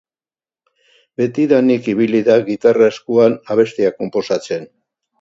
Betidanik ibili da gitarra eskuan abestiak konposatzen.